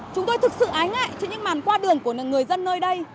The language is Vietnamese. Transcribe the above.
chúng tôi thực sự ái ngại trên những màn qua đường của người dân nơi đây